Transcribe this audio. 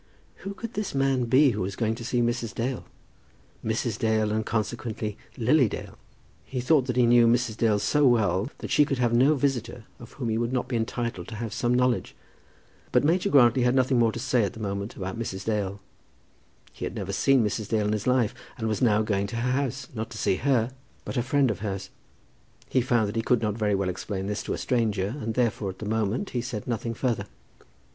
Who could this man be who was going down to see Mrs. Dale, Mrs. Dale, and consequently, Lily Dale? He thought that he knew Mrs. Dale so well, that she could have no visitor of whom he would not be entitled to have some knowledge. But Major Grantly had nothing more to say at the moment about Mrs. Dale. He had never seen Mrs. Dale in his life, and was now going to her house, not to see her, but a friend of hers. He found that he could not very well explain this to a stranger, and therefore at the moment he said nothing further.